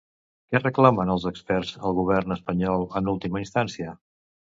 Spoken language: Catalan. Què reclamen els experts al govern espanyol en última instància?